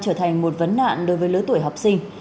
trở thành một vấn nạn đối với lứa tuổi học sinh